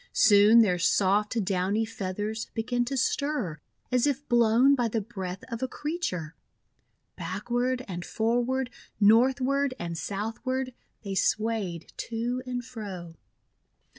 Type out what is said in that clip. Soon their soft, downy feathers began to stir as if blown by the breath of a creature. Backward and forward, northward and south ward, they swayed to and fro.